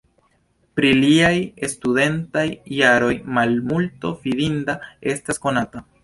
Pri liaj studentaj jaroj malmulto fidinda estas konata.